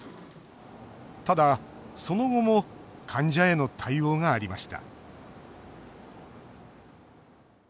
ただ、その後も患者への対応がありました